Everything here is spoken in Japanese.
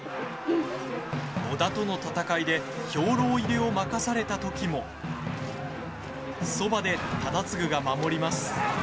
織田との戦いで兵糧入れを任された時もそばで忠次が守ります。